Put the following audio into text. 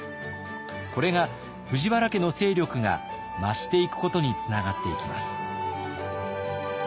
これが藤原家の勢力が増していくことにつながっていきます。